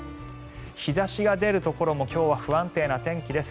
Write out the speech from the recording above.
日差しが出るところも今日は不安定な天気です。